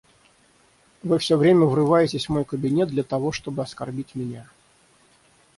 Вы все время врываетесь в мой кабинет для того, чтобы оскорбить меня.